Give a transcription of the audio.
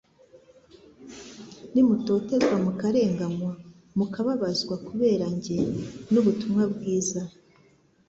Nimutotezwa mukarenganywa mukababazwa kubera njye n'ubutumwa bwiza,